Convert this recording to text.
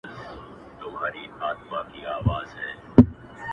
هم ښایسته هم په ځان غټ هم زورور دی؛